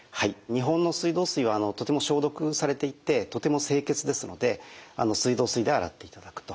日本の水道水はとても消毒されていてとても清潔ですので水道水で洗っていただくと。